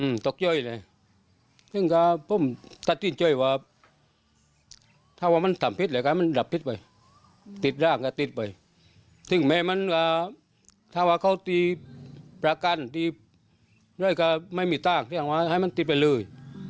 หือตกเชื่อเลยสิงค้าพ่อมงสะดินเชื่อว่าถ้าว่ามันทำพิษเลยก็ให้มันหลับพิษไปติดร่างก็ติดไปสิงค์เมนมันก็ถ้าว่าเขาตีประกันที่หรือก็ไม่มีตากที่เพราะให้มันติดไปเลย